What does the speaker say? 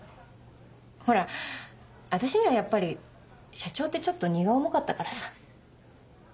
ほら私にはやっぱり社長ってちょっと荷が重かったからさ。